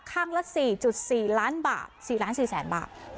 ข้างละสี่จุดสี่ล้านบาทสี่ล้านสี่แสนบาท